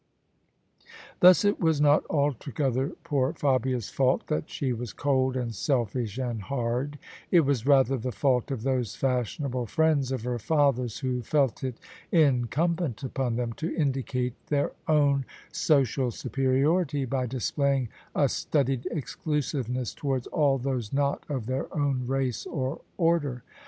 Thus it was not altogether poor Fabia's fault that she was cold and selfish and hard: it was rather the fault of those fashionable friends of her father's who felt it incum bent upon them to indicate their own social superiority by displaying a studied exclusiveness towards all those not of their own race or order.